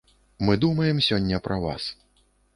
Мы думаем сёння пра вас.